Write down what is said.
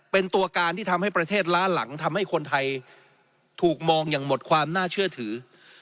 เป็นตัวการที่ทำให้ประเทศล้าหลังทำให้คนไทยถูกมองอย่างหมดความน่าเชื่อถือ